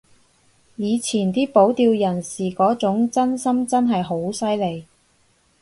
以前啲保釣人士嗰種真心真係好犀利